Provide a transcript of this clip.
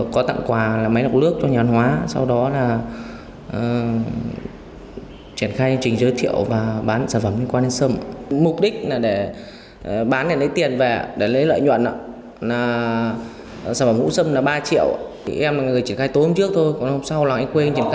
công an huyện trương mỹ